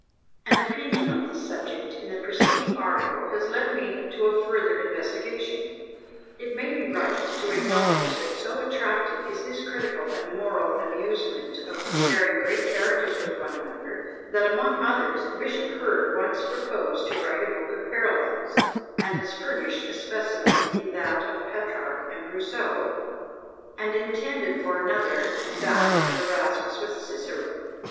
An opinion on this subject in the preceding article has led me to a further investigation. It may be right to acknowledge that so attractive is this critical and moral amusement of comparing great characters with one another, that, among others, Bishop Hurd once proposed to write a book of Parallels, and has furnished a specimen in that of Petrarch and Rousseau, and intended for another that of Erasmus with Cicero.